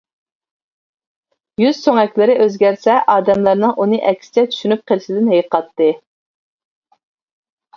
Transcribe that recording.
يۈز سۆڭەكلىرى ئۆزگەرسە ئادەملەرنىڭ ئۇنى ئەكسىچە چۈشىنىپ قېلىشىدىن ھېيىقاتتى.